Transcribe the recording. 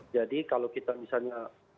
jadi kalau kita misalnya